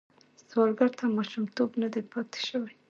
سوالګر ته ماشومتوب نه دی پاتې شوی